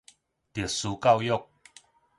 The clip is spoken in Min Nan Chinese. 特殊教育